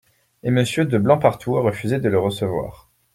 Et Monsieur de Blancpartout a refusé de le recevoir.